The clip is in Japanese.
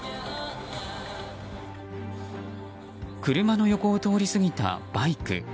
車の横を通り過ぎたバイク。